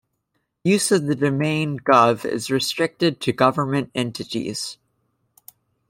Use of the domain "gov" is restricted to government entities.